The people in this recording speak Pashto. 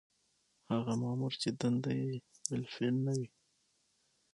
هغه مامور چې دنده یې بالفعل نه وي.